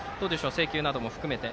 制球なども含めて。